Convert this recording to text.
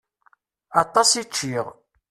Aṭas i ččiɣ.